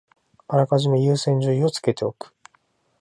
あらかじめ優先順位をつけておく